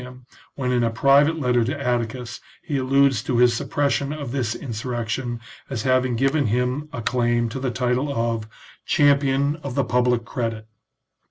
him when in a private letter to Atticus he alludes to his suppression of this insurrection as having given him a claim to the title of champion of the public credit."